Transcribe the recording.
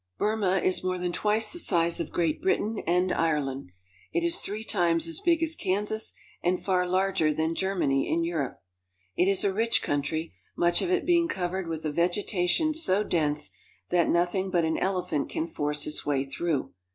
Burma is more than twice the size of Great Britain and Ireland. It is three times as big as Kansas and far larger than Germany in Europe. It is a rich country, much of it being covered with a vegetation so dense that nothing but an elephant can force its way through.